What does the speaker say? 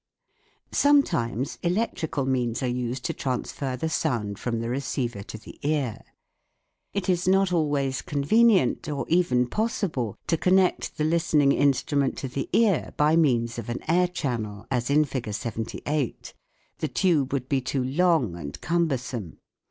Sometimes electrical means are used to transfer the sound from the receiver to the ear. It is not always convenient or even possible to connect the listening instrument to the ear by means of an air channel as in Fig. 78 : the tube would be too long and cumbersome.